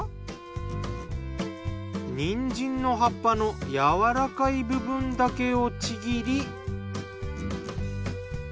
にんじんの葉っぱのやわらかい部分だけをちぎり。